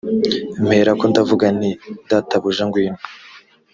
mperako ndavuga nti databuja ngwino